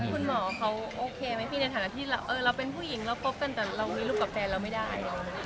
คุณหมอเขาโอเคไหมพี่ในฐานะที่เราเป็นผู้หญิงเราคบกันแต่เรามีลูกกับแฟนเราไม่ได้